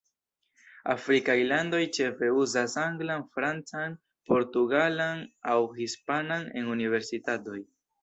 Afrikaj landoj ĉefe uzas anglan, francan, portugalan, aŭ hispanan en universitatoj.